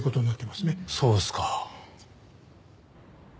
そうですか。